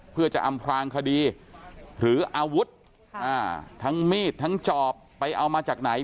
เพื่อจะอำพลางคดีหรืออาวุธทั้งมีดทั้งจอบไปเอามาจากไหน